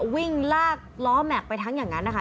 วิ่งลากล้อแม็กซ์ไปทั้งอย่างนั้นนะคะ